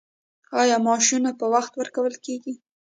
آیا معاشونه په وخت ورکول کیږي؟